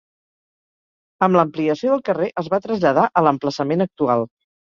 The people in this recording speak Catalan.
Amb l'ampliació del carrer es va traslladar a l'emplaçament actual.